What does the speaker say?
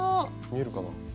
見えるかな？